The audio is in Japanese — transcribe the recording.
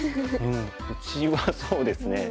内はそうですね。